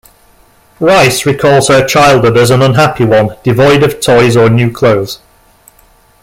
Reis recalls her childhood as an unhappy one devoid of toys or new clothes.